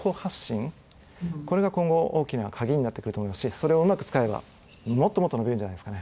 これが今後大きな鍵になってくると思いますしそれをうまく使えばもっともっと伸びるんじゃないですかね。